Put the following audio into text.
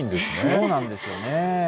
そうなんですよね。